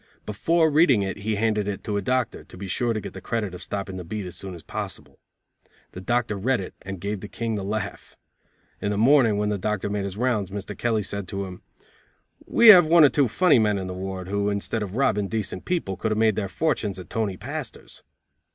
Before reading it he handed it to a doctor, to be sure to get the credit of stopping the beat as soon as possible. The doctor read it and gave the King the laugh. In the morning, when the doctor made his rounds, Mr. Kelly said to him: "We have one or two funny men in the ward who, instead of robbing decent people, could have made their fortunes at Tony Pastor's."